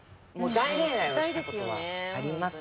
大恋愛はしたことはありますか？